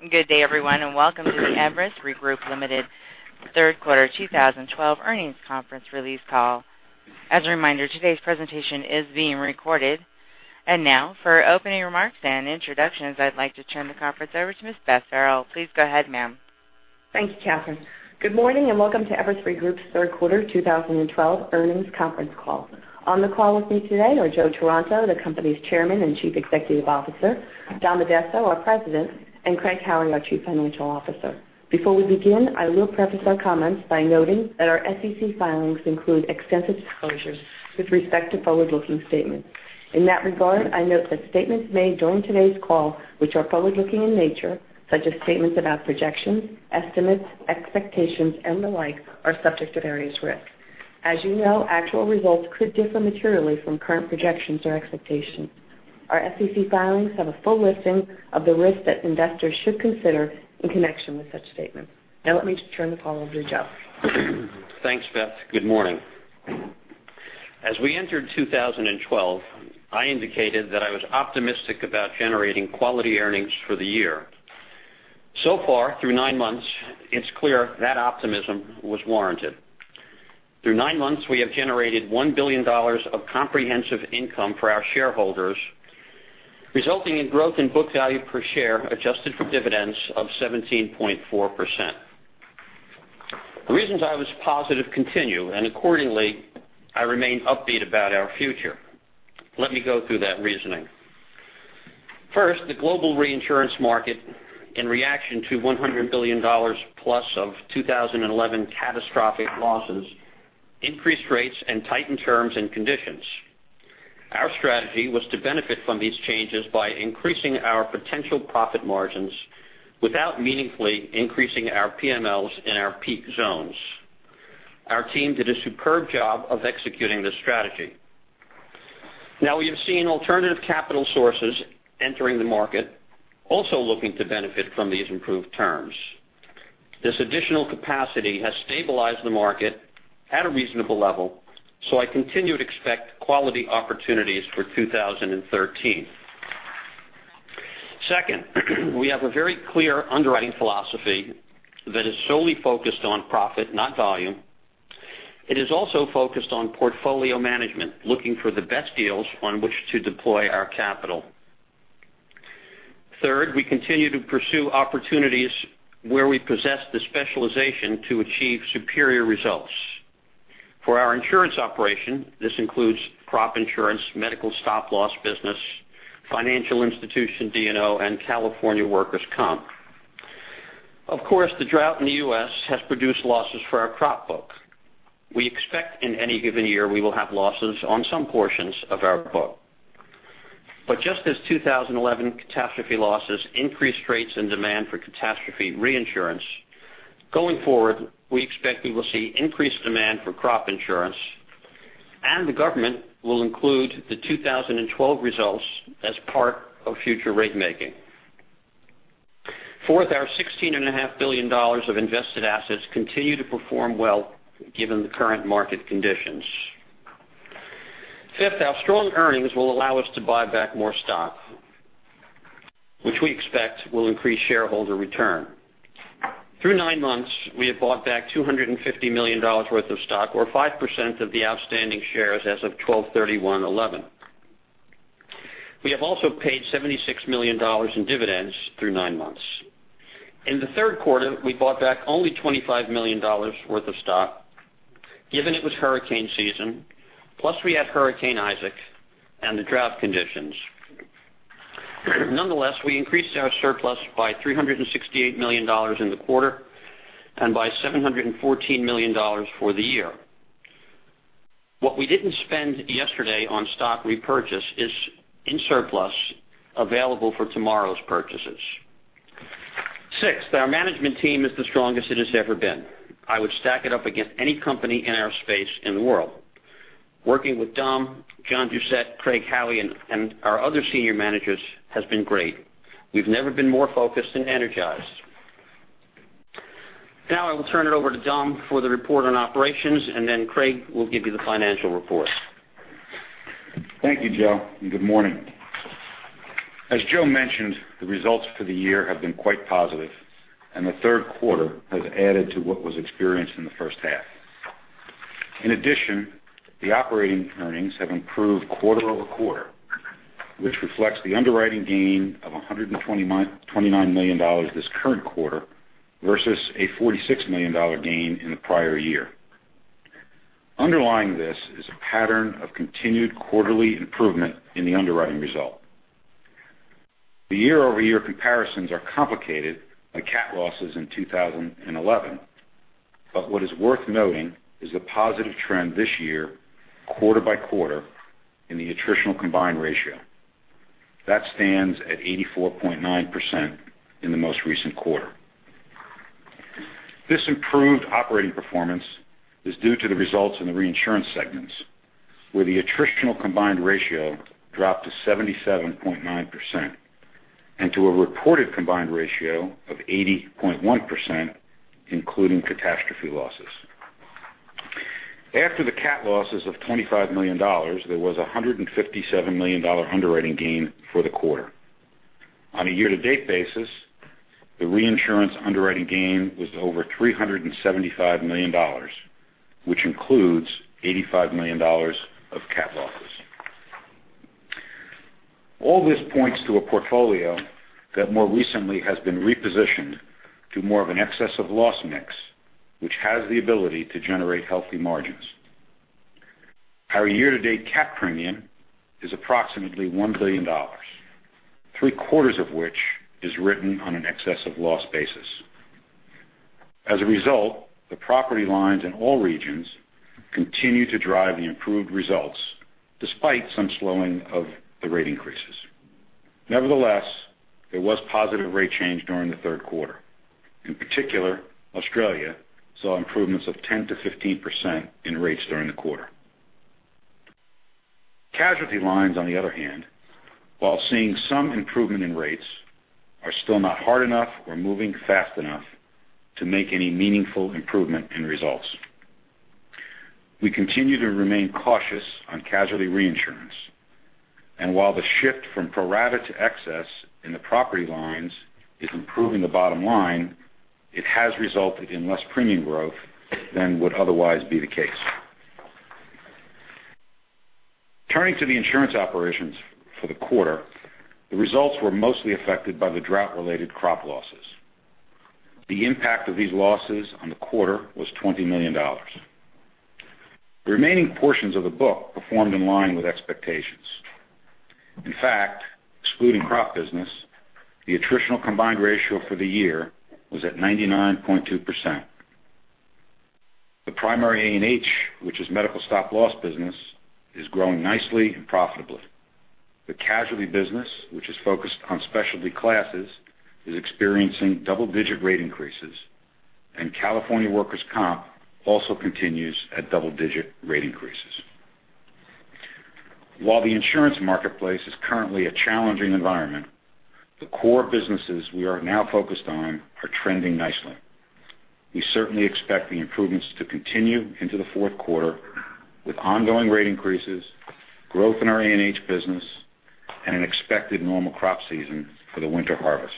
Hi. Good day everyone, welcome to the Everest Re Group, Ltd. third quarter 2012 earnings conference release call. As a reminder, today's presentation is being recorded. Now for opening remarks and introductions, I'd like to turn the conference over to Ms. Beth Farrell. Please go ahead, ma'am. Thanks, Catherine. Good morning and welcome to Everest Re Group's third quarter 2012 earnings conference call. On the call with me today are Joe Taranto, the company's Chairman and Chief Executive Officer, Dom Addesso, our President, and Craig Howie, our Chief Financial Officer. Before we begin, I will preface our comments by noting that our SEC filings include extensive disclosures with respect to forward-looking statements. In that regard, I note that statements made during today's call, which are forward-looking in nature, such as statements about projections, estimates, expectations, and the like, are subject to various risks. As you know, actual results could differ materially from current projections or expectations. Our SEC filings have a full listing of the risks that investors should consider in connection with such statements. Let me turn the call over to Joe. Thanks, Beth. Good morning. As we entered 2012, I indicated that I was optimistic about generating quality earnings for the year. So far, through nine months, it's clear that optimism was warranted. Through nine months, we have generated $1 billion of comprehensive income for our shareholders, resulting in growth in book value per share adjusted for dividends of 17.4%. The reasons I was positive continue, and accordingly, I remain upbeat about our future. Let me go through that reasoning. First, the global reinsurance market in reaction to $100 billion+ of 2011 catastrophic losses, increased rates, and tightened terms and conditions. Our strategy was to benefit from these changes by increasing our potential profit margins without meaningfully increasing our PMLs in our peak zones. Our team did a superb job of executing this strategy. We have seen alternative capital sources entering the market, also looking to benefit from these improved terms. This additional capacity has stabilized the market at a reasonable level. I continue to expect quality opportunities for 2013. Second, we have a very clear underwriting philosophy that is solely focused on profit, not volume. It is also focused on portfolio management, looking for the best deals on which to deploy our capital. Third, we continue to pursue opportunities where we possess the specialization to achieve superior results. For our insurance operation, this includes crop insurance, medical stop loss business, financial institution D&O, and California workers' comp. Of course, the drought in the U.S. has produced losses for our crop book. We expect in any given year we will have losses on some portions of our book. Just as 2011 catastrophe losses increased rates and demand for catastrophe reinsurance, going forward, we expect we will see increased demand for crop insurance, and the government will include the 2012 results as part of future rate making. Fourth, our $16.5 billion of invested assets continue to perform well given the current market conditions. Fifth, our strong earnings will allow us to buy back more stock, which we expect will increase shareholder return. Through nine months, we have bought back $250 million worth of stock, or 5% of the outstanding shares as of 12/31/2011. We have also paid $76 million in dividends through nine months. In the third quarter, we bought back only $25 million worth of stock, given it was hurricane season, plus we had Hurricane Isaac and the drought conditions. Nonetheless, we increased our surplus by $368 million in the quarter and by $714 million for the year. What we didn't spend yesterday on stock repurchase is in surplus available for tomorrow's purchases. Sixth, our management team is the strongest it has ever been. I would stack it up against any company in our space in the world. Working with Dom, John Doucette, Craig Howie, and our other senior managers has been great. We've never been more focused and energized. I will turn it over to Dom for the report on operations, and then Craig will give you the financial report. Thank you, Joe, and good morning. As Joe mentioned, the results for the year have been quite positive, and the third quarter has added to what was experienced in the first half. In addition, the operating earnings have improved quarter-over-quarter, which reflects the underwriting gain of $129 million this current quarter versus a $46 million gain in the prior year. Underlying this is a pattern of continued quarterly improvement in the underwriting result. The year-over-year comparisons are complicated by cat losses in 2011, what is worth noting is the positive trend this year, quarter by quarter in the attritional combined ratio. That stands at 84.9% in the most recent quarter. This improved operating performance is due to the results in the reinsurance segments, where the attritional combined ratio dropped to 77.9% and to a reported combined ratio of 80.1%, including catastrophe losses. After the cat losses of $25 million, there was $157 million underwriting gain for the quarter. On a year-to-date basis, the reinsurance underwriting gain was over $375 million, which includes $85 million of cat losses. All this points to a portfolio that more recently has been repositioned to more of an excess of loss mix, which has the ability to generate healthy margins. Our year-to-date cat premium is approximately $1 billion, three-quarters of which is written on an excess of loss basis. As a result, the property lines in all regions continue to drive the improved results despite some slowing of the rate increases. Nevertheless, there was positive rate change during the third quarter. In particular, Australia saw improvements of 10%-15% in rates during the quarter. Casualty lines, on the other hand, while seeing some improvement in rates, are still not hard enough or moving fast enough to make any meaningful improvement in results. We continue to remain cautious on casualty reinsurance, and while the shift from pro-rata to excess in the property lines is improving the bottom line, it has resulted in less premium growth than would otherwise be the case. Turning to the insurance operations for the quarter, the results were mostly affected by the drought related crop losses. The impact of these losses on the quarter was $20 million. The remaining portions of the book performed in line with expectations. In fact, excluding crop business, the attritional combined ratio for the year was at 99.2%. The primary A&H, which is medical stop loss business, is growing nicely and profitably. The casualty business, which is focused on specialty classes, is experiencing double-digit rate increases, and California workers comp also continues at double-digit rate increases. While the insurance marketplace is currently a challenging environment, the core businesses we are now focused on are trending nicely. We certainly expect the improvements to continue into the fourth quarter, with ongoing rate increases, growth in our A&H business, and an expected normal crop season for the winter harvest.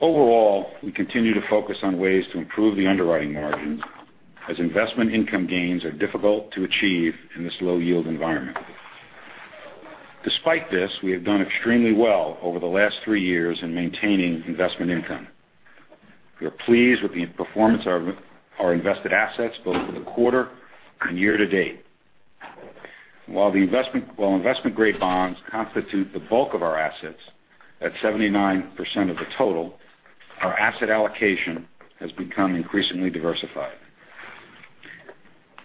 Overall, we continue to focus on ways to improve the underwriting margins as investment income gains are difficult to achieve in this low yield environment. Despite this, we have done extremely well over the last three years in maintaining investment income. We are pleased with the performance of our invested assets, both for the quarter and year to date. While investment grade bonds constitute the bulk of our assets, at 79% of the total, our asset allocation has become increasingly diversified.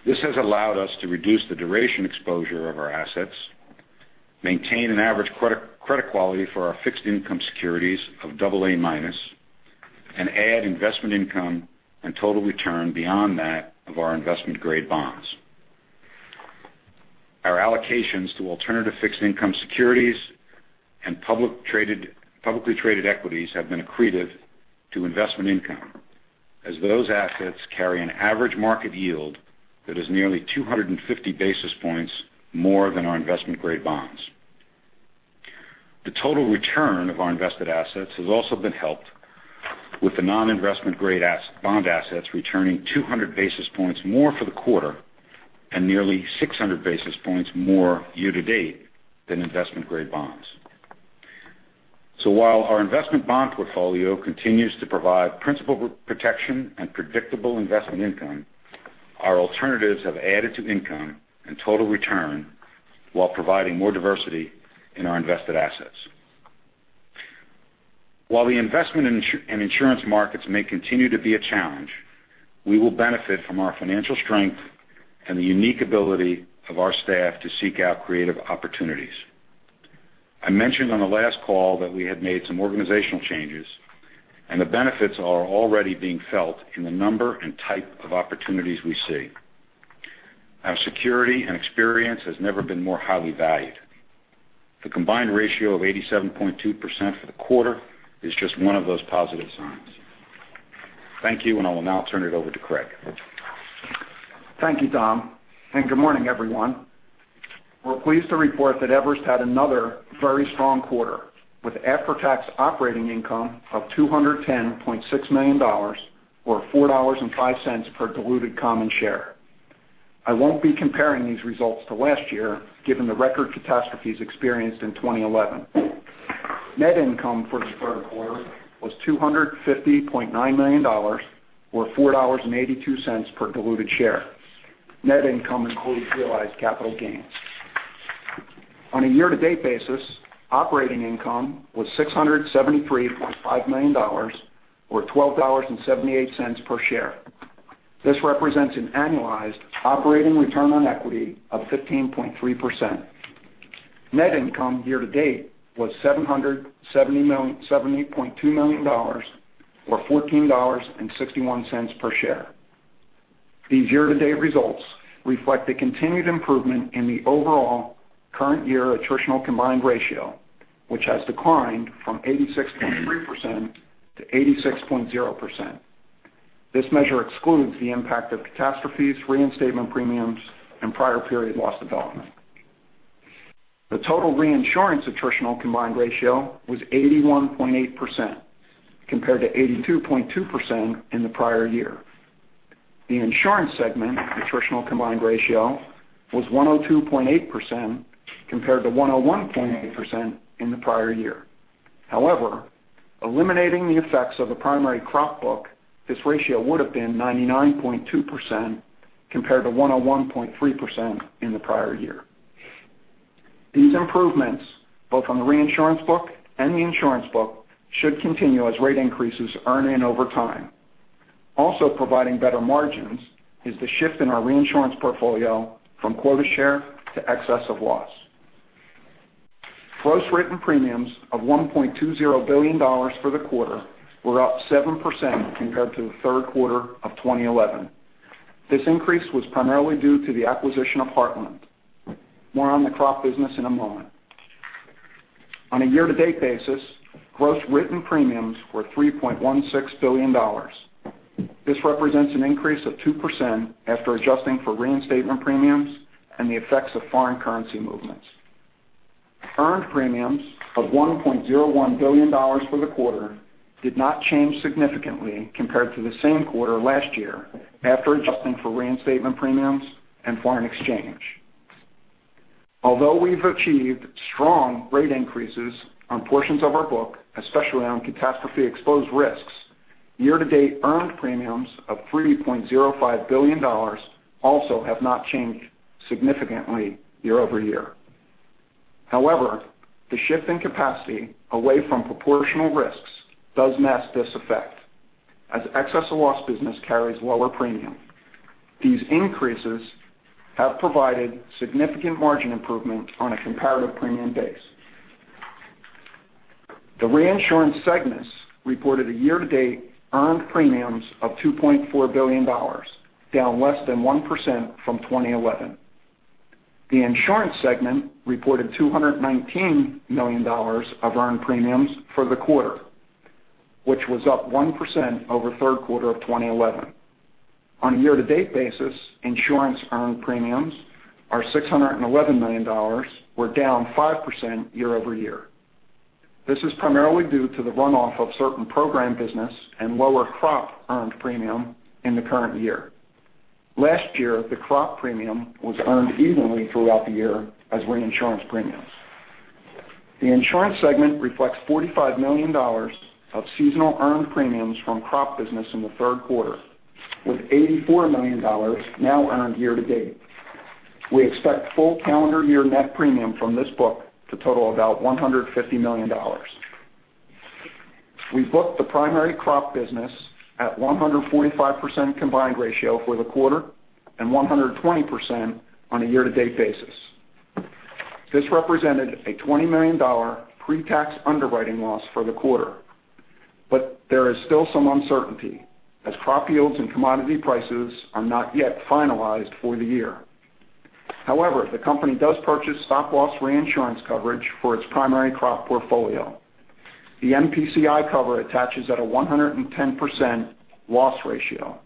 This has allowed us to reduce the duration exposure of our assets, maintain an average credit quality for our fixed income securities of double A minus, and add investment income and total return beyond that of our investment grade bonds. Our allocations to alternative fixed income securities and publicly traded equities have been accretive to investment income, as those assets carry an average market yield that is nearly 250 basis points more than our investment grade bonds. The total return of our invested assets has also been helped with the non-investment grade bond assets returning 200 basis points more for the quarter and nearly 600 basis points more year to date than investment grade bonds. While our investment bond portfolio continues to provide principal protection and predictable investment income, our alternatives have added to income and total return while providing more diversity in our invested assets. While the investment and insurance markets may continue to be a challenge, we will benefit from our financial strength and the unique ability of our staff to seek out creative opportunities. I mentioned on the last call that we had made some organizational changes, and the benefits are already being felt in the number and type of opportunities we see. Our security and experience has never been more highly valued. The combined ratio of 87.2% for the quarter is just one of those positive signs. Thank you, and I will now turn it over to Craig. Thank you, Dom, and good morning, everyone. We're pleased to report that Everest had another very strong quarter with after-tax operating income of $210.6 million, or $4.05 per diluted common share. I won't be comparing these results to last year, given the record catastrophes experienced in 2011. Net income for the third quarter was $250.9 million, or $4.82 per diluted share. Net income includes realized capital gains. On a year-to-date basis, operating income was $673.5 million, or $12.78 per share. This represents an annualized operating return on equity of 15.3%. Net income year to date was $770.2 million, or $14.61 per share. These year-to-date results reflect the continued improvement in the overall current year attritional combined ratio Which has declined from 86.3% to 86.0%. This measure excludes the impact of catastrophes, reinstatement premiums, and prior period loss development. The total reinsurance attritional combined ratio was 81.8% compared to 82.2% in the prior year. The insurance segment attritional combined ratio was 102.8% compared to 101.8% in the prior year. However, eliminating the effects of the primary crop book, this ratio would have been 99.2% compared to 101.3% in the prior year. These improvements, both on the reinsurance book and the insurance book, should continue as rate increases earn in over time. Also providing better margins is the shift in our reinsurance portfolio from quota share to excess of loss. Gross written premiums of $1.20 billion for the quarter were up 7% compared to the third quarter of 2011. This increase was primarily due to the acquisition of Heartland. More on the crop business in a moment. On a year-to-date basis, gross written premiums were $3.16 billion. This represents an increase of 2% after adjusting for reinstatement premiums and the effects of foreign currency movements. Earned premiums of $1.01 billion for the quarter did not change significantly compared to the same quarter last year after adjusting for reinstatement premiums and foreign exchange. Although we've achieved strong rate increases on portions of our book, especially on catastrophe-exposed risks, year-to-date earned premiums of $3.05 billion also have not changed significantly year-over-year. However, the shift in capacity away from proportional risks does mask this effect, as excess of loss business carries lower premium. These increases have provided significant margin improvement on a comparative premium base. The reinsurance segments reported a year-to-date earned premiums of $2.4 billion, down less than 1% from 2011. The insurance segment reported $219 million of earned premiums for the quarter, which was up 1% over the third quarter of 2011. On a year-to-date basis, insurance earned premiums are $611 million, were down 5% year-over-year. This is primarily due to the runoff of certain program business and lower crop earned premium in the current year. Last year, the crop premium was earned evenly throughout the year as reinsurance premiums. The insurance segment reflects $45 million of seasonal earned premiums from crop business in the third quarter, with $84 million now earned year to date. We expect full calendar year net premium from this book to total about $150 million. We booked the primary crop business at 145% combined ratio for the quarter and 120% on a year-to-date basis, but there is still some uncertainty as crop yields and commodity prices are not yet finalized for the year. The company does purchase stop loss reinsurance coverage for its primary crop portfolio. The NPCI cover attaches at a 110% loss ratio.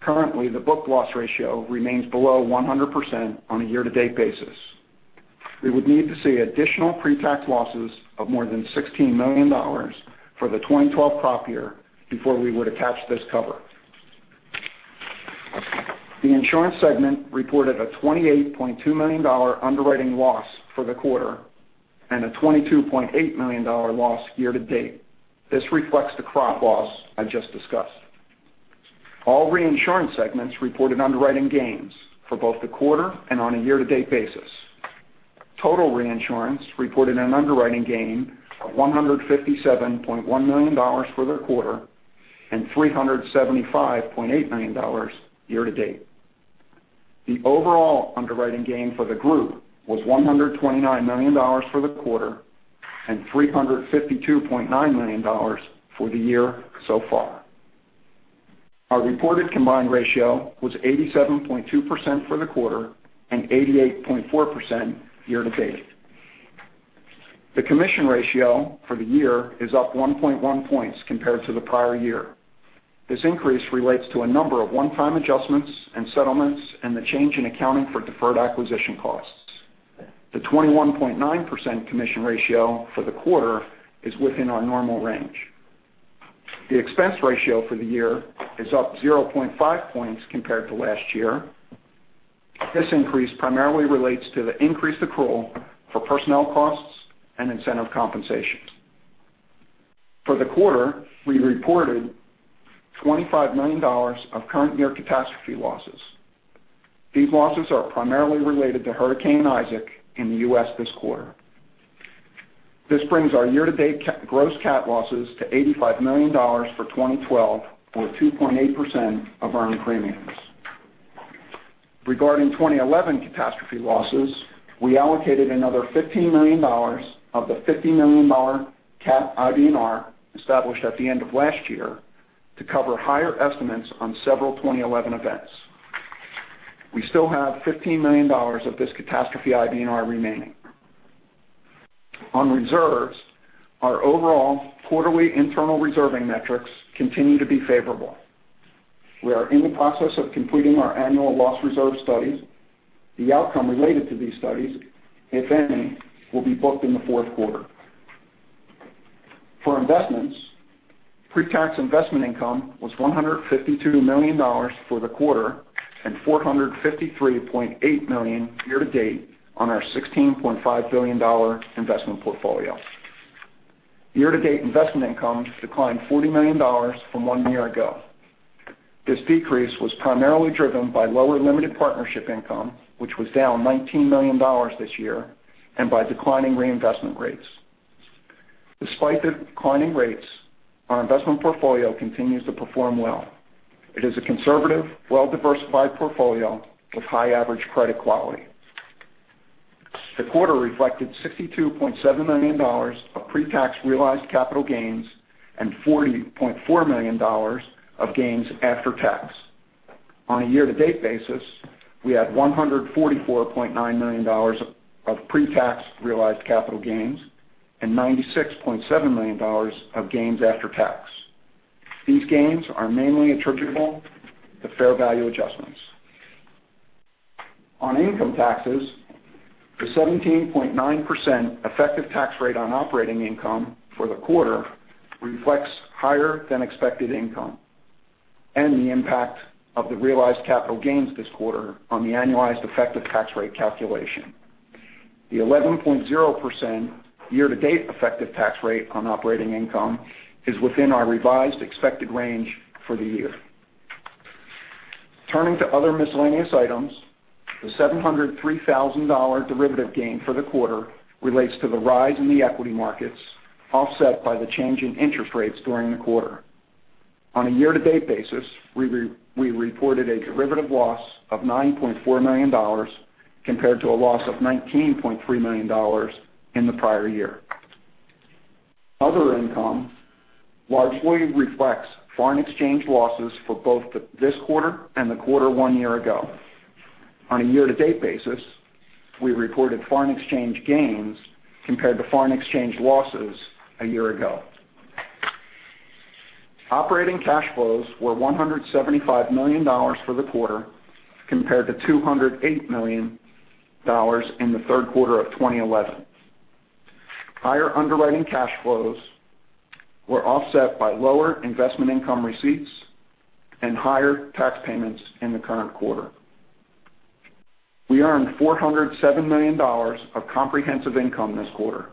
Currently, the book loss ratio remains below 100% on a year-to-date basis. We would need to see additional pre-tax losses of more than $16 million for the 2012 crop year before we would attach this cover. The insurance segment reported a $28.2 million underwriting loss for the quarter and a $22.8 million loss year to date. This reflects the crop loss I just discussed. All reinsurance segments reported underwriting gains for both the quarter and on a year-to-date basis. Total reinsurance reported an underwriting gain of $157.1 million for the quarter and $375.8 million year to date. The overall underwriting gain for the group was $129 million for the quarter and $352.9 million for the year so far. Our reported combined ratio was 87.2% for the quarter and 88.4% year-to-date. The commission ratio for the year is up 1.1 points compared to the prior year. This increase relates to a number of one-time adjustments and settlements and the change in accounting for deferred acquisition costs. The 21.9% commission ratio for the quarter is within our normal range. The expense ratio for the year is up 0.5 points compared to last year. This increase primarily relates to the increased accrual for personnel costs and incentive compensations. For the quarter, we reported $25 million of current year catastrophe losses. These losses are primarily related to Hurricane Isaac in the U.S. this quarter. This brings our year-to-date gross cat losses to $85 million for 2012 or 2.8% of earned premiums. Regarding 2011 catastrophe losses, we allocated another $15 million of the $50 million cat IBNR established at the end of last year to cover higher estimates on several 2011 events. We still have $15 million of this catastrophe IBNR remaining. On reserves, our overall quarterly internal reserving metrics continue to be favorable. We are in the process of completing our annual loss reserve studies. The outcome related to these studies, if any, will be booked in the fourth quarter. For investments, pre-tax investment income was $152 million for the quarter and $453.8 million year-to-date on our $16.5 billion investment portfolio. Year-to-date investment income declined $40 million from one year ago. This decrease was primarily driven by lower limited partnership income, which was down $19 million this year, and by declining reinvestment rates. Despite the declining rates, our investment portfolio continues to perform well. It is a conservative, well-diversified portfolio with high average credit quality. The quarter reflected $62.7 million of pre-tax realized capital gains and $40.4 million of gains after tax. On a year-to-date basis, we had $144.9 million of pre-tax realized capital gains and $96.7 million of gains after tax. These gains are mainly attributable to fair value adjustments. On income taxes, the 17.9% effective tax rate on operating income for the quarter reflects higher than expected income and the impact of the realized capital gains this quarter on the annualized effective tax rate calculation. The 11.0% year-to-date effective tax rate on operating income is within our revised expected range for the year. Turning to other miscellaneous items, the $703,000 derivative gain for the quarter relates to the rise in the equity markets, offset by the change in interest rates during the quarter. On a year-to-date basis, we reported a derivative loss of $9.4 million compared to a loss of $19.3 million in the prior year. Other income largely reflects foreign exchange losses for both this quarter and the quarter one year ago. On a year-to-date basis, we reported foreign exchange gains compared to foreign exchange losses a year ago. Operating cash flows were $175 million for the quarter, compared to $208 million in the third quarter of 2011. Higher underwriting cash flows were offset by lower investment income receipts and higher tax payments in the current quarter. We earned $407 million of comprehensive income this quarter.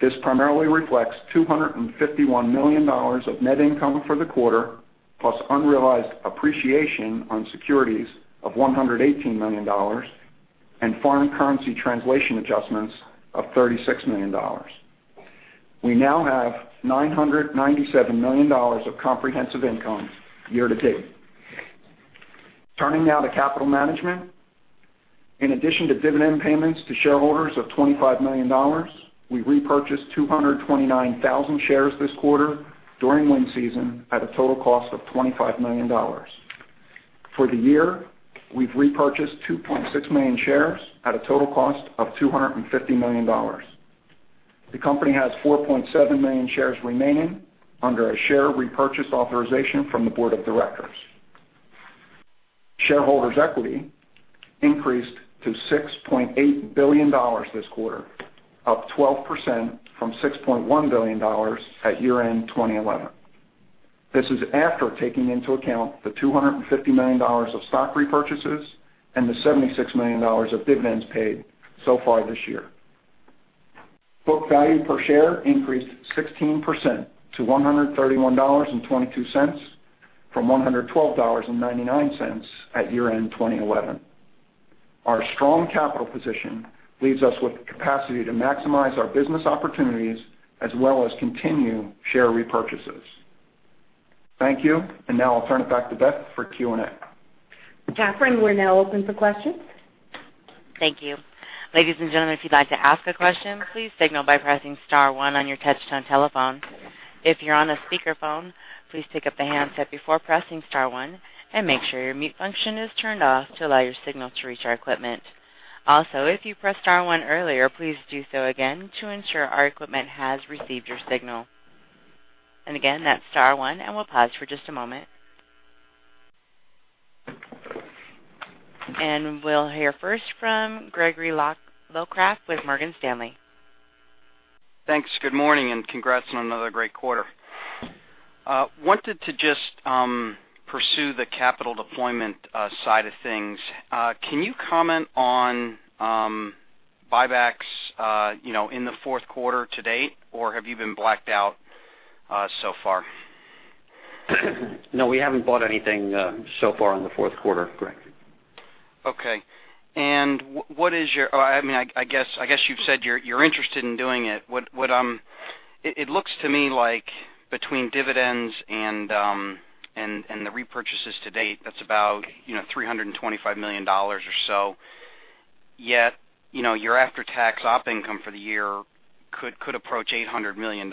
This primarily reflects $251 million of net income for the quarter, plus unrealized appreciation on securities of $118 million and foreign currency translation adjustments of $36 million. We now have $997 million of comprehensive income year to date. Turning now to capital management. In addition to dividend payments to shareholders of $25 million, we repurchased 229,000 shares this quarter during wind season at a total cost of $25 million. For the year, we've repurchased 2.6 million shares at a total cost of $250 million. The company has 4.7 million shares remaining under a share repurchase authorization from the board of directors. Shareholders' equity increased to $6.8 billion this quarter, up 12% from $6.1 billion at year-end 2011. This is after taking into account the $250 million of stock repurchases and the $76 million of dividends paid so far this year. Book value per share increased 16% to $131.22 from $112.99 at year-end 2011. Our strong capital position leaves us with the capacity to maximize our business opportunities as well as continue share repurchases. Thank you. Now I'll turn it back to Beth for Q&A. Catherine, we're now open for questions. Thank you. Ladies and gentlemen, if you'd like to ask a question, please signal by pressing *1 on your touchtone telephone. If you're on a speakerphone, please pick up the handset before pressing *1 and make sure your mute function is turned off to allow your signal to reach our equipment. Also, if you pressed *1 earlier, please do so again to ensure our equipment has received your signal. Again, that's *1, and we'll pause for just a moment. We'll hear first from Gregory Locraft with Morgan Stanley. Thanks. Good morning. Congrats on another great quarter. Wanted to just pursue the capital deployment side of things. Can you comment on buybacks in the fourth quarter to date, or have you been blacked out so far? No, we haven't bought anything so far in the fourth quarter, Greg. Okay. I guess you've said you're interested in doing it. It looks to me like between dividends and the repurchases to date, that's about $325 million or so. Your after-tax op income for the year could approach $800 million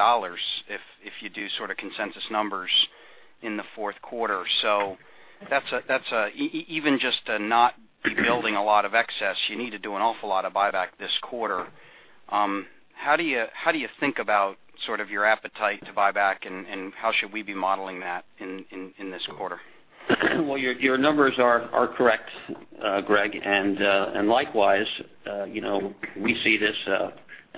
if you do consensus numbers in the fourth quarter. Even just to not be building a lot of excess, you need to do an awful lot of buyback this quarter. How do you think about your appetite to buy back, and how should we be modeling that in this quarter? Well, your numbers are correct, Greg. Likewise, we see this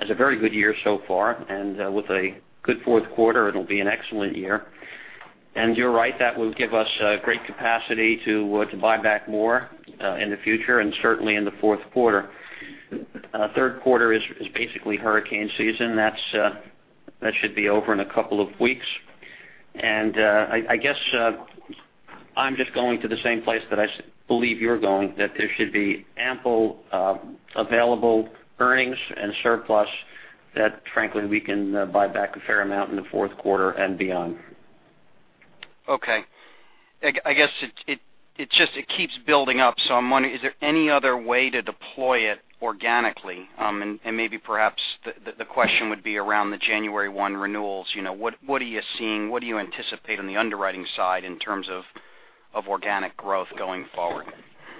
as a very good year so far, and with a good fourth quarter, it'll be an excellent year. You're right, that will give us great capacity to buy back more in the future, and certainly in the fourth quarter. Third quarter is basically hurricane season. That should be over in a couple of weeks. I guess I'm just going to the same place that I believe you're going, that there should be ample available earnings and surplus that frankly, we can buy back a fair amount in the fourth quarter and beyond. Okay. I guess it keeps building up. I'm wondering, is there any other way to deploy it organically? Maybe perhaps the question would be around the January 1 renewals. What are you seeing? What do you anticipate on the underwriting side in terms of organic growth going forward?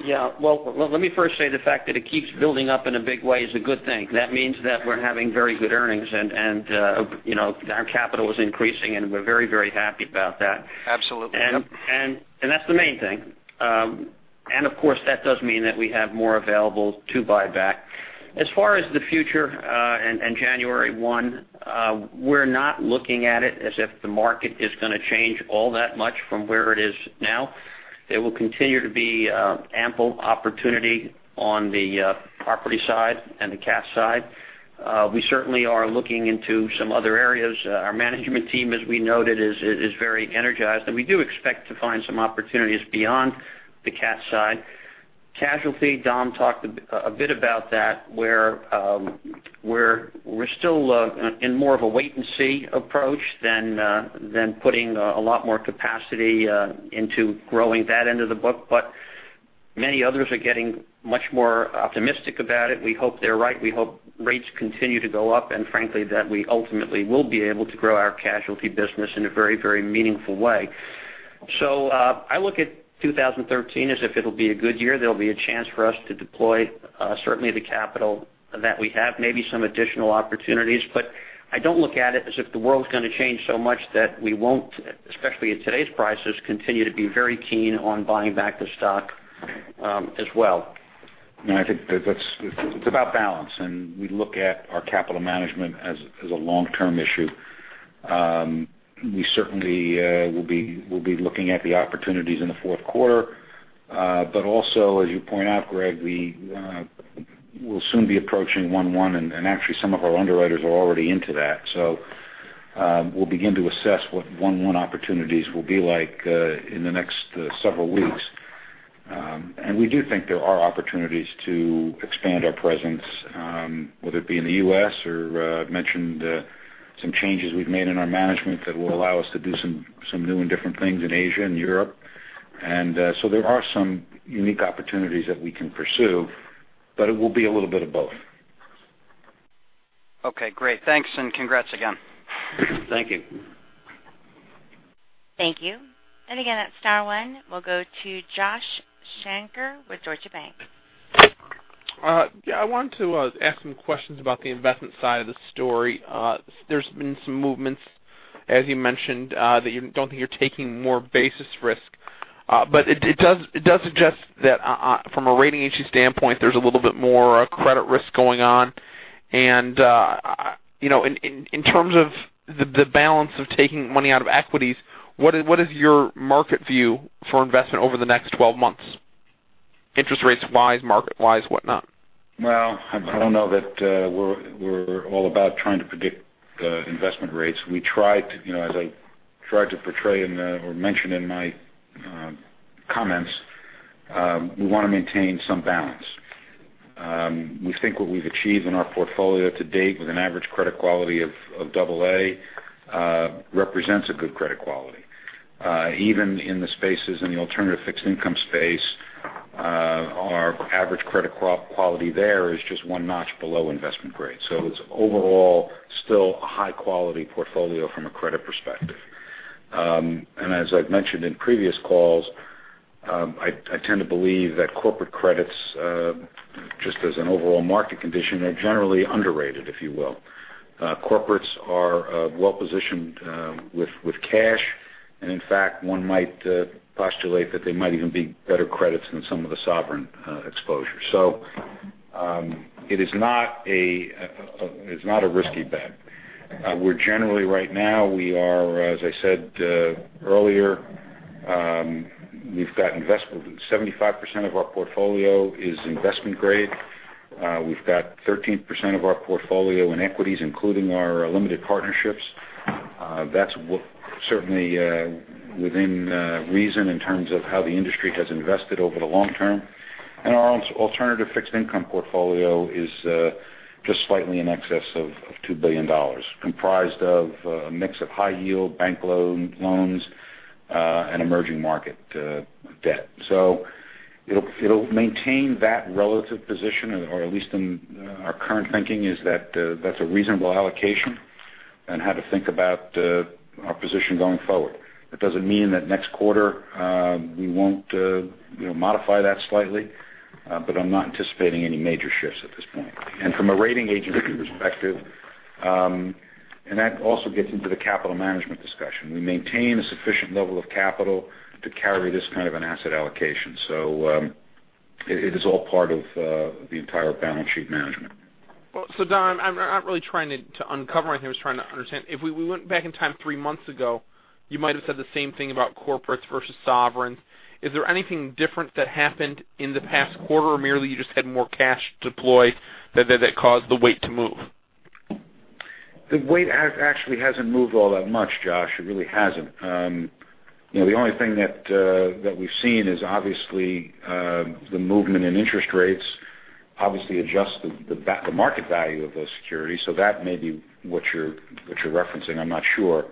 Yeah. Well, let me first say the fact that it keeps building up in a big way is a good thing. That means that we're having very good earnings, and our capital is increasing, and we're very happy about that. Absolutely. Yep. That's the main thing. Of course, that does mean that we have more available to buy back. As far as the future and January 1, we're not looking at it as if the market is going to change all that much from where it is now. There will continue to be ample opportunity on the property side and the cat side. We certainly are looking into some other areas. Our management team, as we noted, is very energized, and we do expect to find some opportunities beyond the cat side. Casualty, Dom talked a bit about that, where we're still in more of a wait-and-see approach than putting a lot more capacity into growing that end of the book. Many others are getting much more optimistic about it. We hope they're right. We hope rates continue to go up, frankly, that we ultimately will be able to grow our casualty business in a very meaningful way. I look at 2013 as if it'll be a good year. There'll be a chance for us to deploy certainly the capital that we have, maybe some additional opportunities. I don't look at it as if the world's going to change so much that we won't, especially at today's prices, continue to be very keen on buying back the stock as well. I think it's about balance, and we look at our capital management as a long-term issue. We certainly will be looking at the opportunities in the fourth quarter. Also, as you point out, Greg, we'll soon be approaching one-one, actually, some of our underwriters are already into that. We'll begin to assess what one-one opportunities will be like in the next several weeks. We do think there are opportunities to expand our presence, whether it be in the U.S. or I've mentioned some changes we've made in our management that will allow us to do some new and different things in Asia and Europe. There are some unique opportunities that we can pursue, but it will be a little bit of both. Okay, great. Thanks and congrats again. Thank you. Thank you. Again, at star one, we'll go to Joshua Shanker with Deutsche Bank. Yeah, I wanted to ask some questions about the investment side of the story. There's been some movements, as you mentioned, that you don't think you're taking more basis risk. It does suggest that from a rating agency standpoint, there's a little bit more credit risk going on. In terms of the balance of taking money out of equities, what is your market view for investment over the next 12 months, interest rates wise, market wise, whatnot? Well, I don't know that we're all about trying to predict investment rates. As I tried to portray or mention in my comments, we want to maintain some balance. We think what we've achieved in our portfolio to date with an average credit quality of double A represents a good credit quality. Even in the spaces in the alternative fixed income space, our average credit quality there is just one notch below investment grade. It's overall still a high-quality portfolio from a credit perspective. As I've mentioned in previous calls, I tend to believe that corporate credits just as an overall market condition are generally underrated, if you will. Corporates are well positioned with cash, in fact, one might postulate that they might even be better credits than some of the sovereign exposure. It's not a risky bet. We're generally right now, as I said earlier, 75% of our portfolio is investment grade. We've got 13% of our portfolio in equities, including our limited partnerships. That's certainly within reason in terms of how the industry has invested over the long term. Our alternative fixed income portfolio is just slightly in excess of $2 billion, comprised of a mix of high yield bank loans and emerging market debt. It'll maintain that relative position, or at least our current thinking is that that's a reasonable allocation and how to think about our position going forward. That doesn't mean that next quarter we won't modify that slightly, but I'm not anticipating any major shifts at this point. From a rating agency perspective, that also gets into the capital management discussion. We maintain a sufficient level of capital to carry this kind of an asset allocation. It is all part of the entire balance sheet management. Well, Dom, I'm not really trying to uncover anything. I was trying to understand. If we went back in time three months ago, you might have said the same thing about corporates versus sovereigns. Is there anything different that happened in the past quarter or merely you just had more cash deployed that caused the weight to move? The weight actually hasn't moved all that much, Josh. It really hasn't. The only thing that we've seen is obviously the movement in interest rates, obviously adjust the market value of those securities. That may be what you're referencing. I'm not sure.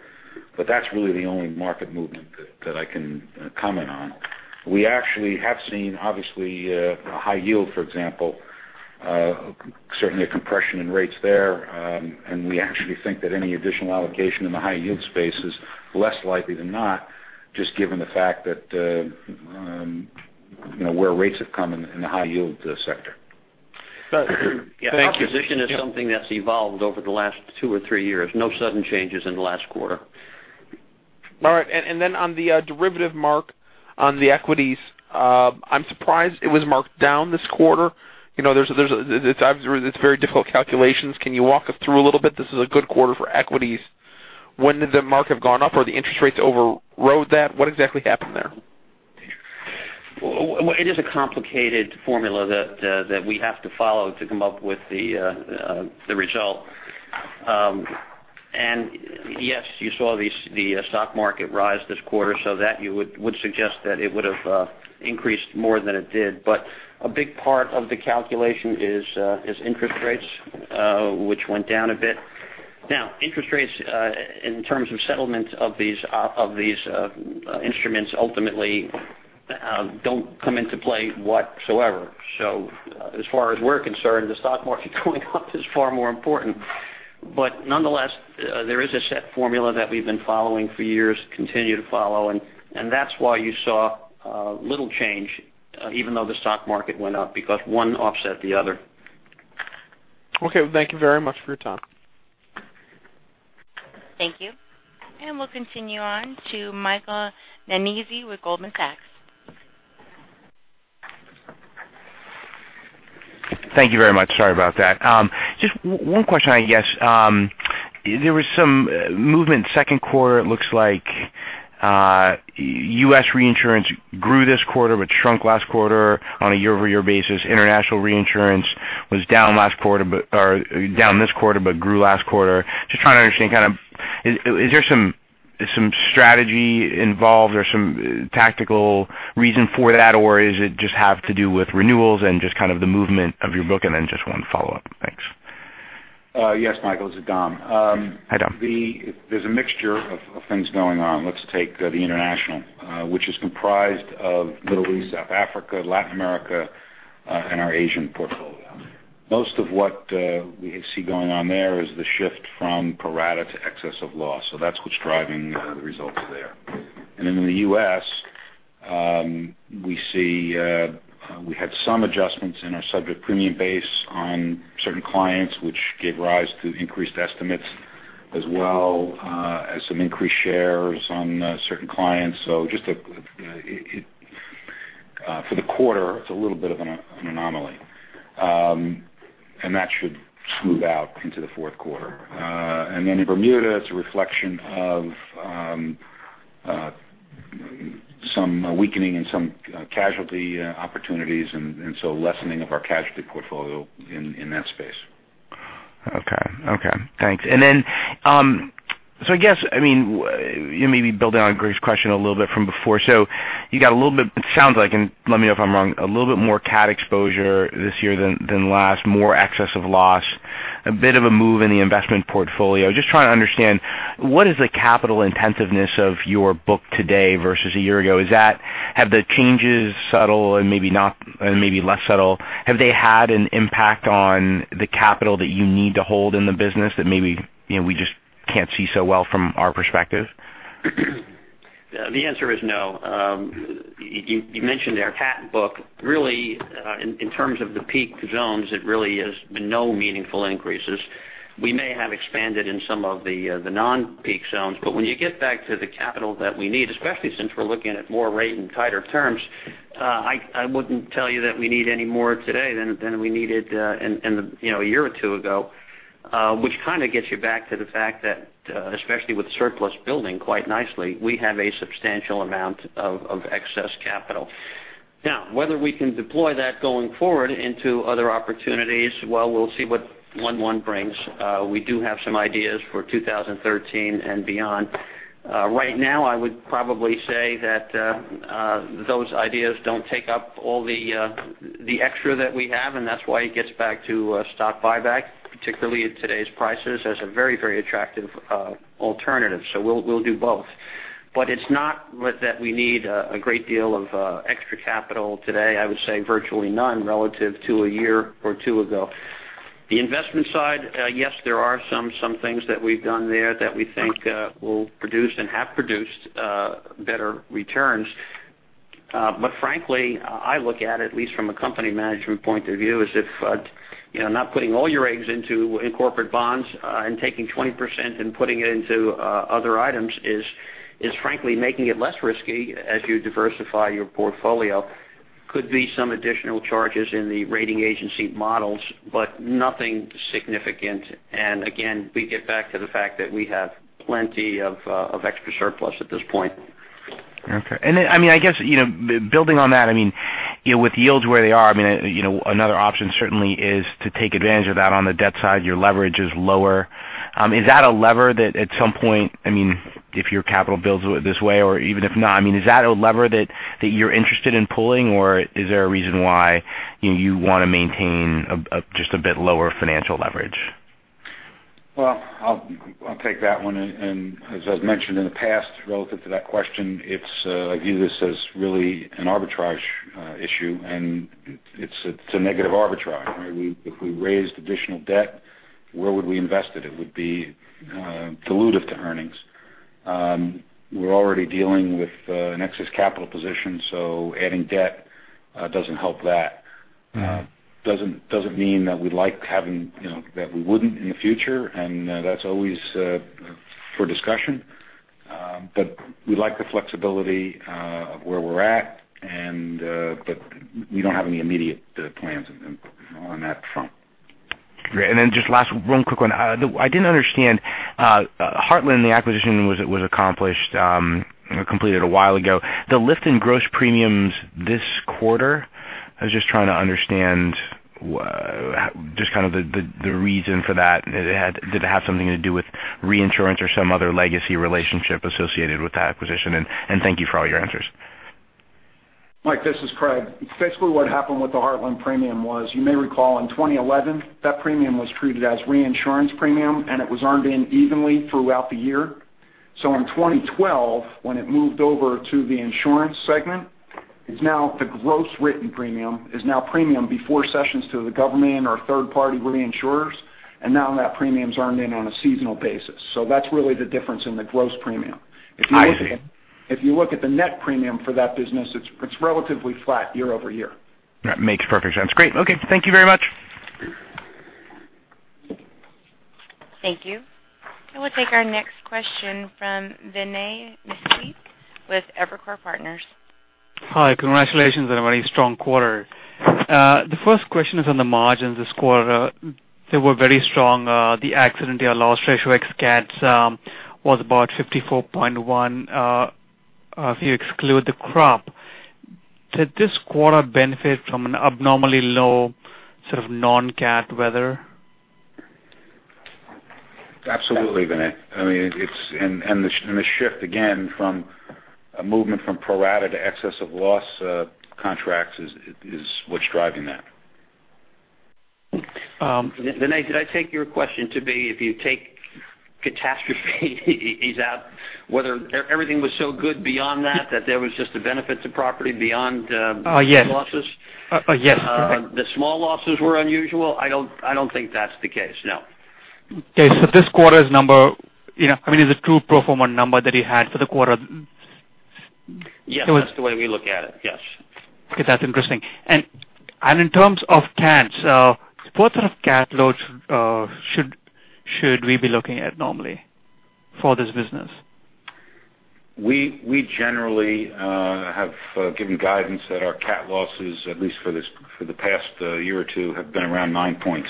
That's really the only market movement that I can comment on. We actually have seen, obviously, high yield, for example, certainly a compression in rates there. We actually think that any additional allocation in the high yield space is less likely than not just given the fact that where rates have come in the high yield sector. Got it. Thank you. Our position is something that's evolved over the last two or three years. No sudden changes in the last quarter. All right. On the derivative mark on the equities, I'm surprised it was marked down this quarter. It's very difficult calculations. Can you walk us through a little bit? This is a good quarter for equities. When did the mark have gone up or the interest rates overrode that? What exactly happened there? It is a complicated formula that we have to follow to come up with the result. Yes, you saw the stock market rise this quarter, so that you would suggest that it would have increased more than it did. A big part of the calculation is interest rates, which went down a bit. Interest rates, in terms of settlement of these instruments ultimately don't come into play whatsoever. As far as we're concerned, the stock market going up is far more important. Nonetheless, there is a set formula that we've been following for years, continue to follow, and that's why you saw little change even though the stock market went up because one offset the other. Okay. Thank you very much for your time. Thank you. We'll continue on to Michael Nannizzi with Goldman Sachs. Thank you very much. Sorry about that. Just one question, I guess. There was some movement second quarter. It looks like U.S. reinsurance grew this quarter but shrunk last quarter on a year-over-year basis. International reinsurance was down this quarter but grew last quarter. Just trying to understand kind of is there some strategy involved or some tactical reason for that, or is it just have to do with renewals and just kind of the movement of your book? Then just one follow-up. Thanks. Yes, Michael. This is Dom. Hi, Dom. There's a mixture of things going on. Let's take the international, which is comprised of Middle East, South Africa, Latin America, and our Asian portfolio. Most of what we see going on there is the shift from pro rata to excess of loss. That's what's driving the results there. In the U.S., we had some adjustments in our subject premium base on certain clients, which gave rise to increased estimates as well as some increased shares on certain clients. For the quarter, it's a little bit of an anomaly. That should smooth out into the fourth quarter. In Bermuda, it's a reflection of some weakening in some casualty opportunities and lessening of our casualty portfolio in that space. Okay. Thanks. I guess, maybe building on Greg's question a little bit from before. You got a little bit, it sounds like, and let me know if I'm wrong, a little bit more cat exposure this year than last, more excess of loss, a bit of a move in the investment portfolio. Just trying to understand, what is the capital intensiveness of your book today versus a year ago? Have the changes subtle and maybe less subtle? Have they had an impact on the capital that you need to hold in the business that maybe we just can't see so well from our perspective? The answer is no. You mentioned our cat book. Really, in terms of the peak zones, it really has been no meaningful increases. We may have expanded in some of the non-peak zones. When you get back to the capital that we need, especially since we're looking at more rate and tighter terms, I wouldn't tell you that we need any more today than we needed a year or two ago, which kind of gets you back to the fact that, especially with surplus building quite nicely, we have a substantial amount of excess capital. Now, whether we can deploy that going forward into other opportunities, well, we'll see what one brings. We do have some ideas for 2013 and beyond. Right now, I would probably say that those ideas don't take up all the extra that we have, that's why it gets back to stock buyback, particularly at today's prices as a very, very attractive alternative. We'll do both. It's not that we need a great deal of extra capital today. I would say virtually none relative to a year or two ago. The investment side, yes, there are some things that we've done there that we think will produce and have produced better returns. Frankly, I look at it, at least from a company management point of view, is if not putting all your eggs into corporate bonds and taking 20% and putting it into other items is frankly making it less risky as you diversify your portfolio. Could be some additional charges in the rating agency models, but nothing significant. Again, we get back to the fact that we have plenty of extra surplus at this point. Okay. Then, building on that, with yields where they are, another option certainly is to take advantage of that on the debt side, your leverage is lower. Is that a lever that at some point, if your capital builds this way or even if not, is that a lever that you're interested in pulling? Or is there a reason why you want to maintain just a bit lower financial leverage? Well, I'll take that one. As I've mentioned in the past, relative to that question, I view this as really an arbitrage issue, and it's a negative arbitrage, right? If we raised additional debt, where would we invest it? It would be dilutive to earnings. We're already dealing with an excess capital position, adding debt doesn't help that. Doesn't mean that we wouldn't in the future, and that's always up for discussion. We like the flexibility of where we're at. We don't have any immediate plans on that front. Great. Then just last one quick one. I didn't understand Heartland, the acquisition was accomplished, completed a while ago. The lift in gross premiums this quarter, I was just trying to understand just kind of the reason for that. Did it have something to do with reinsurance or some other legacy relationship associated with that acquisition? Thank you for all your answers. Mike, this is Craig. Basically, what happened with the Heartland premium was, you may recall in 2011, that premium was treated as reinsurance premium, and it was earned in evenly throughout the year. In 2012, when it moved over to the insurance segment, the gross written premium is now premium before cessions to the government or third party reinsurers, and now that premium's earned in on a seasonal basis. That's really the difference in the gross premium. I see. If you look at the net premium for that business, it's relatively flat year-over-year. That makes perfect sense. Great. Okay. Thank you very much. Thank you. I will take our next question from Vinay Misquith with Evercore Partners. Hi. Congratulations on a very strong quarter. The first question is on the margins this quarter. They were very strong. The accident year loss ratio ex cats was about 54.1% if you exclude the crop. Did this quarter benefit from an abnormally low sort of non-cat weather? Absolutely, Vinay. The shift, again, from a movement from pro-rata to excess of loss contracts is what's driving that. Vinay, did I take your question to be, if you take catastrophes out, whether everything was so good beyond that there was just a benefit to property beyond the small losses? Yes. The small losses were unusual? I don't think that's the case, no. Okay. This quarter's number is a true pro forma number that you had for the quarter? Yes, that's the way we look at it. Yes. Okay. That's interesting. In terms of cats, what sort of cat loads should we be looking at normally for this business? We generally have given guidance that our cat losses, at least for the past year or two, have been around nine points.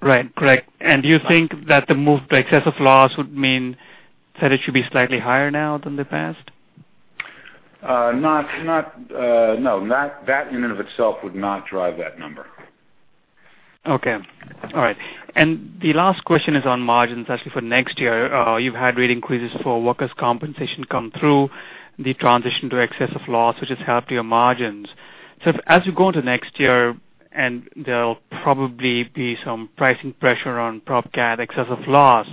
Right. Correct. Do you think that the move to excess of loss would mean that it should be slightly higher now than the past? No. That in and of itself would not drive that number. Okay. All right. The last question is on margins, actually, for next year. You've had rate increases for workers' compensation come through the transition to excess of loss, which has helped your margins. As you go into next year, and there'll probably be some pricing pressure on prop cat excess of loss,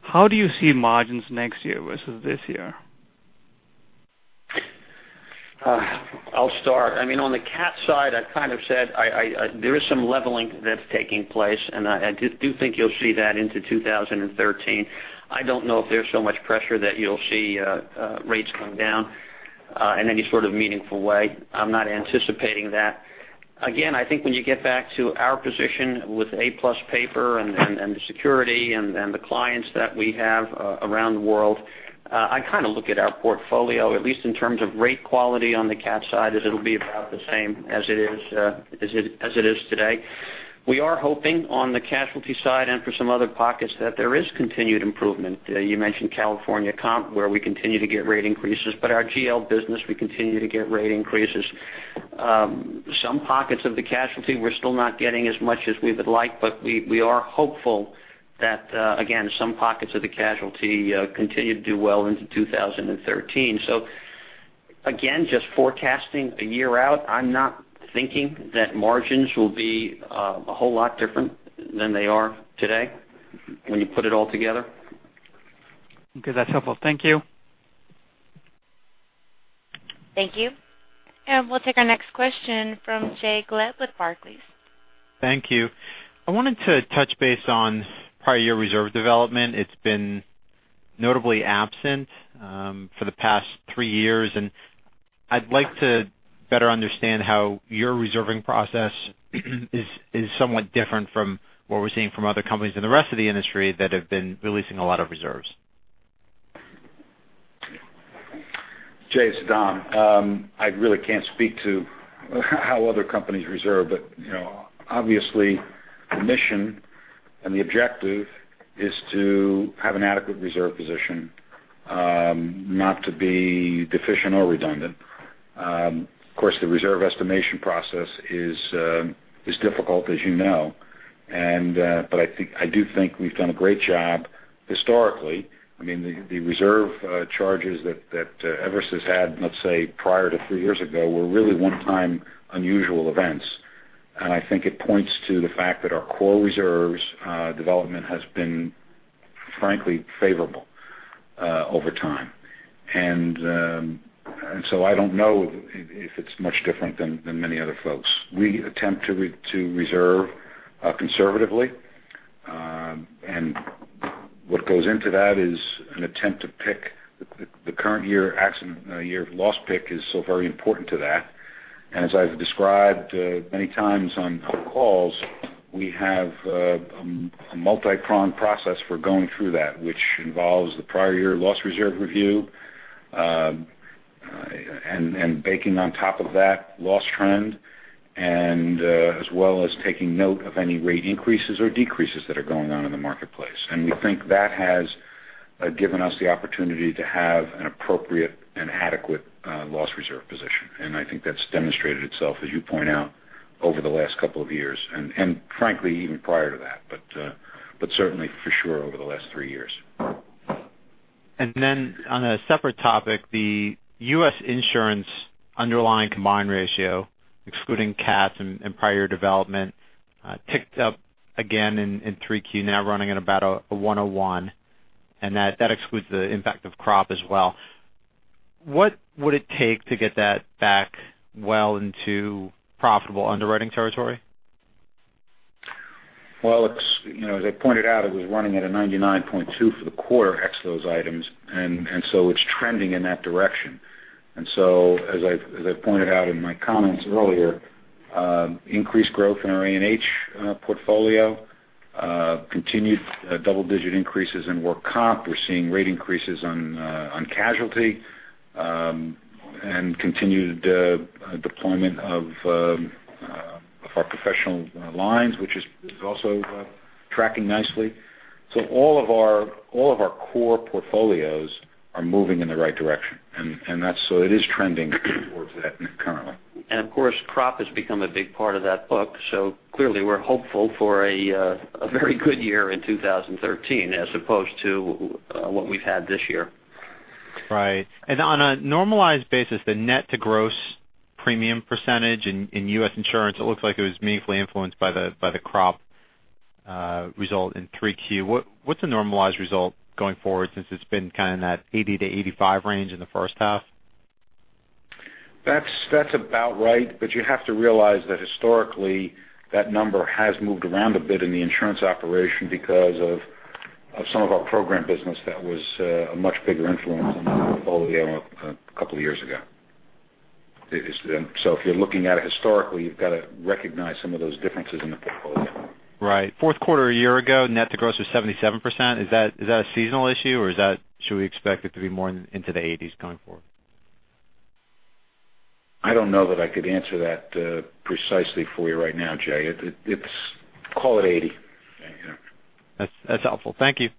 how do you see margins next year versus this year? I'll start. On the cat side, I kind of said there is some leveling that's taking place, and I do think you'll see that into 2013. I don't know if there's so much pressure that you'll see rates come down in any sort of meaningful way. I'm not anticipating that. Again, I think when you get back to our position with A-plus paper and the security and the clients that we have around the world, I kind of look at our portfolio, at least in terms of rate quality on the cat side, as it'll be about the same as it is today. We are hoping on the casualty side and for some other pockets that there is continued improvement. You mentioned California comp, where we continue to get rate increases, but our GL business, we continue to get rate increases. Some pockets of the casualty, we're still not getting as much as we would like, but we are hopeful that, again, some pockets of the casualty continue to do well into 2013. Again, just forecasting a year out, I'm not thinking that margins will be a whole lot different than they are today when you put it all together. Okay. That's helpful. Thank you. Thank you. We'll take our next question from Jay Gelb with Barclays. Thank you. I wanted to touch base on prior year reserve development. It's been notably absent for the past 3 years. I'd like to better understand how your reserving process is somewhat different from what we're seeing from other companies in the rest of the industry that have been releasing a lot of reserves. Jay, it's Dom. I really can't speak to how other companies reserve, but obviously the mission and the objective is to have an adequate reserve position, not to be deficient or redundant. Of course, the reserve estimation process is difficult, as you know. I do think we've done a great job historically. The reserve charges that Everest has had, let's say, prior to 3 years ago, were really one-time unusual events. I think it points to the fact that our core reserves development has been, frankly, favorable over time. I don't know if it's much different than many other folks. We attempt to reserve conservatively. What goes into that is an attempt to pick the current year accident, year of loss pick is so very important to that. As I've described many times on calls, we have a multi-pronged process for going through that, which involves the prior year loss reserve review, and baking on top of that loss trend, and as well as taking note of any rate increases or decreases that are going on in the marketplace. We think that has given us the opportunity to have an appropriate and adequate loss reserve position. I think that's demonstrated itself, as you point out, over the last couple of years, and frankly, even prior to that. Certainly for sure over the last 3 years. On a separate topic, the U.S. insurance underlying combined ratio, excluding cats and prior development, ticked up again in Q3, now running at about a 101, and that excludes the impact of crop as well. What would it take to get that back well into profitable underwriting territory? Well, as I pointed out, it was running at a 99.2 for the quarter, ex those items, it's trending in that direction. As I pointed out in my comments earlier, increased growth in our A&H portfolio, continued double-digit increases in work comp. We're seeing rate increases on casualty, continued deployment of our professional lines, which is also tracking nicely. All of our core portfolios are moving in the right direction. It is trending towards that currently. Of course, crop has become a big part of that book. Clearly we're hopeful for a very good year in 2013 as opposed to what we've had this year. Right. On a normalized basis, the net to gross premium percentage in U.S. insurance, it looks like it was meaningfully influenced by the crop result in Q3. What's a normalized result going forward since it's been kind of in that 80%-85% range in the first half? That's about right. You have to realize that historically, that number has moved around a bit in the insurance operation because of some of our program business that was a much bigger influence on the portfolio a couple of years ago. If you're looking at it historically, you've got to recognize some of those differences in the portfolio. Right. Fourth quarter a year ago, net to gross was 77%. Is that a seasonal issue or should we expect it to be more into the 80s going forward? I don't know that I could answer that precisely for you right now, Jay. Call it 80. That's helpful. Thank you.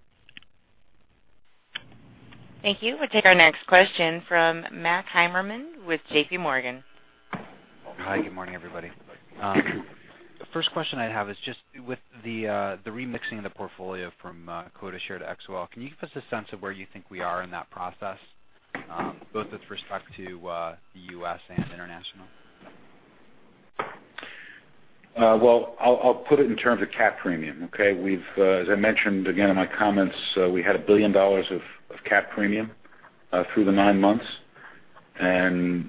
Thank you. We'll take our next question from Matt Heimermann with JPMorgan. Hi. Good morning, everybody. The first question I have is just with the remixing of the portfolio from quota share to XOL, can you give us a sense of where you think we are in that process, both with respect to the U.S. and international? Well, I'll put it in terms of cap premium, okay? As I mentioned again in my comments, we had $1 billion of cap premium through the nine months, and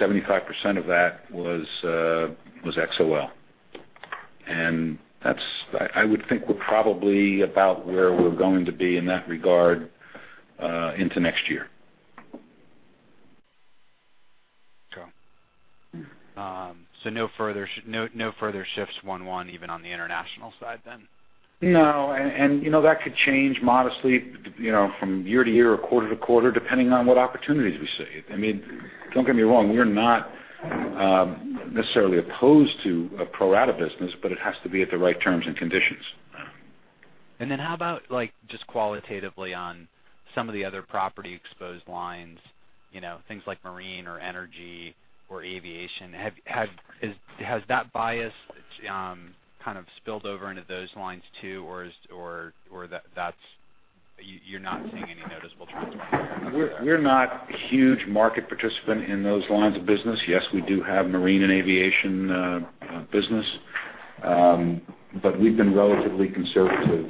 75% of that was XOL. I would think we're probably about where we're going to be in that regard into next year. Okay. No further shifts one-one even on the international side then? No, that could change modestly from year to year or quarter to quarter depending on what opportunities we see. Don't get me wrong, we're not necessarily opposed to a pro-rata business, but it has to be at the right terms and conditions. How about just qualitatively on some of the other property exposed lines, things like marine or energy or aviation. Has that bias kind of spilled over into those lines too, or you're not seeing any noticeable trends? We're not huge market participant in those lines of business. Yes, we do have marine and aviation business. We've been relatively conservative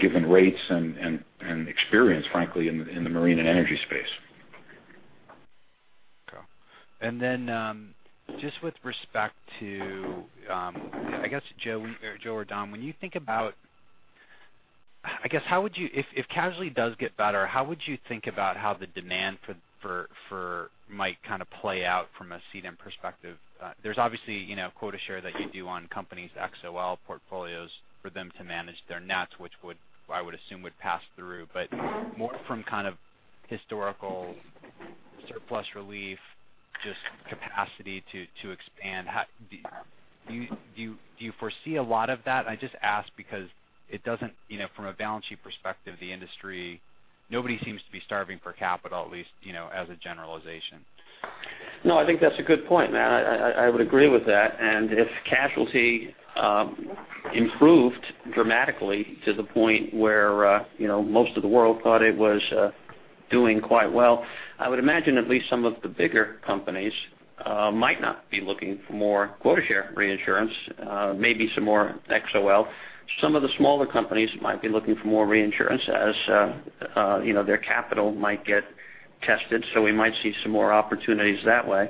given rates and experience, frankly, in the marine and energy space. Okay. Just with respect to, I guess Joe or Dom, when you think about if casualty does get better, how would you think about how the demand might kind of play out from a cedent perspective? There's obviously quota share that you do on companies' XOL portfolios for them to manage their nets, which I would assume would pass through. More from kind of historical surplus relief, just capacity to expand. Do you foresee a lot of that? I just ask because from a balance sheet perspective, the industry, nobody seems to be starving for capital, at least, as a generalization. No, I think that's a good point, Matt. I would agree with that. If casualty improved dramatically to the point where most of the world thought it was doing quite well, I would imagine at least some of the bigger companies might not be looking for more quota share reinsurance, maybe some more XOL. Some of the smaller companies might be looking for more reinsurance as their capital might get tested, so we might see some more opportunities that way.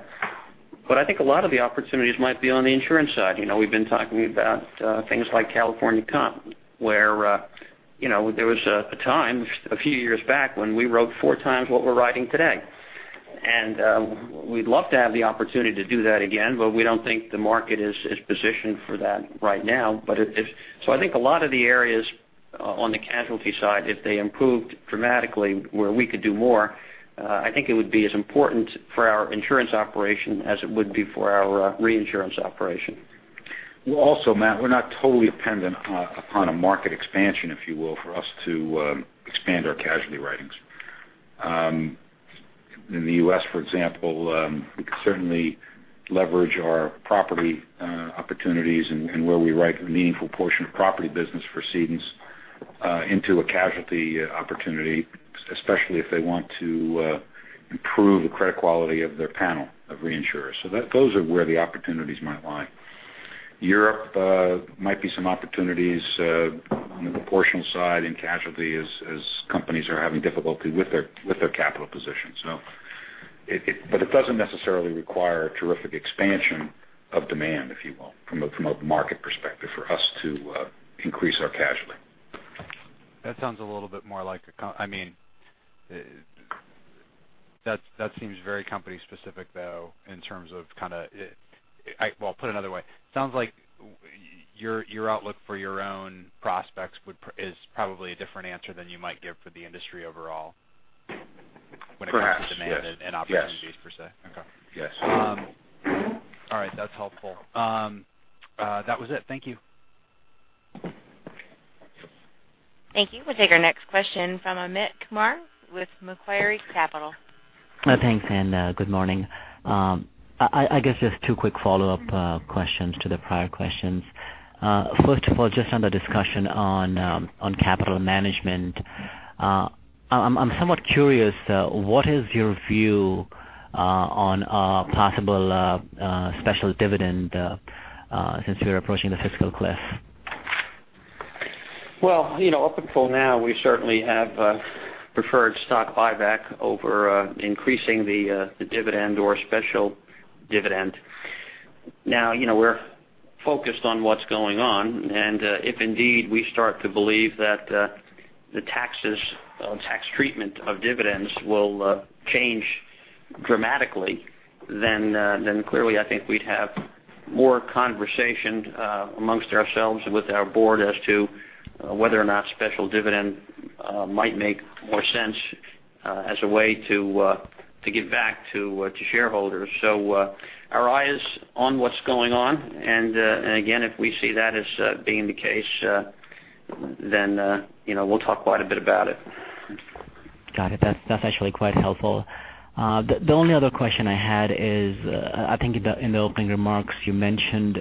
I think a lot of the opportunities might be on the insurance side. We've been talking about things like California comp, where there was a time, a few years back, when we wrote four times what we're writing today. We'd love to have the opportunity to do that again, we don't think the market is positioned for that right now. I think a lot of the areas on the casualty side, if they improved dramatically where we could do more, I think it would be as important for our insurance operation as it would be for our reinsurance operation. Matt, we're not totally dependent upon a market expansion, if you will, for us to expand our casualty writings. In the U.S., for example, we could certainly leverage our property opportunities and where we write a meaningful portion of property business for cedents into a casualty opportunity, especially if they want to improve the credit quality of their panel of reinsurers. Those are where the opportunities might lie. Europe might be some opportunities on the proportional side in casualty as companies are having difficulty with their capital position. It doesn't necessarily require terrific expansion of demand, if you will, from a market perspective, for us to increase our casualty. That sounds a little bit more like a trend. That seems very company specific, though, in terms of kind of Well, put another way. Sounds like your outlook for your own prospects is probably a different answer than you might give for the industry overall when it comes to demand. Perhaps, yes. and opportunities, per se. Yes. Okay. Yes. All right. That's helpful. That was it. Thank you. Thank you. We'll take our next question from Amit Kumar with Macquarie Capital. Thanks. Good morning. I guess just two quick follow-up questions to the prior questions. First of all, just on the discussion on capital management. I'm somewhat curious, what is your view on a possible special dividend since we're approaching the fiscal cliff? Well, up until now, we certainly have preferred stock buyback over increasing the dividend or special dividend. We're focused on what's going on, and if indeed we start to believe that the tax treatment of dividends will change dramatically, then clearly I think we'd have more conversation amongst ourselves with our board as to whether or not special dividend might make more sense as a way to give back to shareholders. Our eye is on what's going on. Again, if we see that as being the case, then we'll talk quite a bit about it. Got it. That's actually quite helpful. The only other question I had is, I think in the opening remarks, you mentioned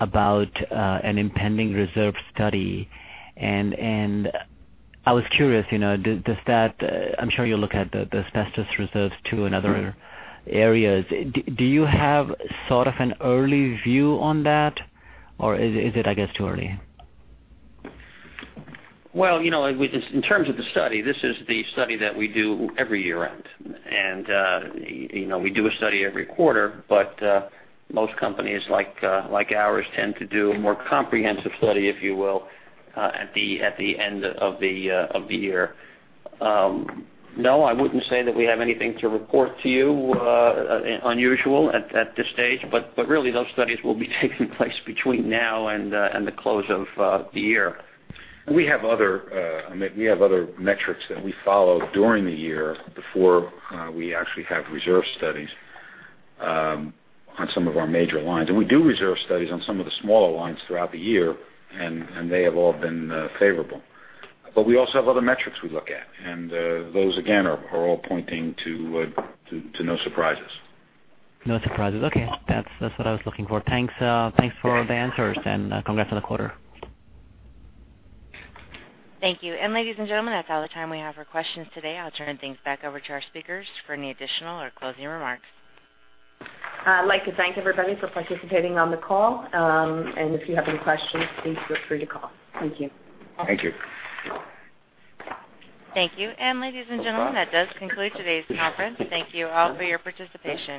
about an impending reserve study. I was curious, I'm sure you look at the asbestos reserves, too, and other areas. Do you have sort of an early view on that, or is it, I guess, too early? Well, in terms of the study, this is the study that we do every year-end. We do a study every quarter, most companies like ours tend to do a more comprehensive study, if you will, at the end of the year. No, I wouldn't say that we have anything to report to you unusual at this stage. Really, those studies will be taking place between now and the close of the year. We have other metrics that we follow during the year before we actually have reserve studies on some of our major lines. We do reserve studies on some of the smaller lines throughout the year, and they have all been favorable. We also have other metrics we look at, and those, again, are all pointing to no surprises. No surprises. Okay. That's what I was looking for. Thanks for all the answers, congrats on the quarter. Thank you. Ladies and gentlemen, that's all the time we have for questions today. I'll turn things back over to our speakers for any additional or closing remarks. I'd like to thank everybody for participating on the call. If you have any questions, please feel free to call. Thank you. Thank you. Thank you. Ladies and gentlemen, that does conclude today's conference. Thank you all for your participation.